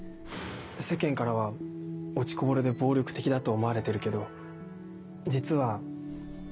世間からは落ちこぼれで暴力的だと思われてるけど実は。